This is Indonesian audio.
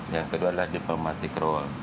yang kedua adalah diplomatic roll